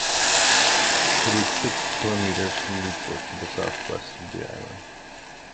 It is six kilometres from Newport in the southwest of the island.